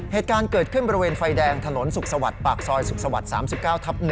เหตุการณ์เกิดขึ้นบริเวณไฟแดงถนนสุขสวัสดิ์ปากซอยสุขสวรรค์๓๙ทับ๑